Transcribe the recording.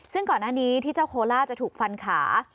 ซึ่งก่อนหน้านี้ที่เจ้าโคล่าจะถูกฟันขา